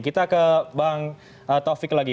kita ke bang taufik lagi